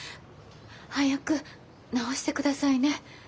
早く治してくださいね。